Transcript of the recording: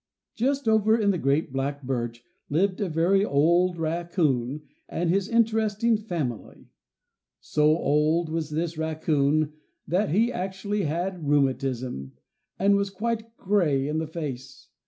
Just over in the great black birch lived a very old raccoon and his interesting family; so old was this raccoon that he actually had rheumatism, and was quite gray in the face.